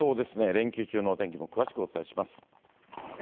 連休中のお天気も詳しくお伝えします。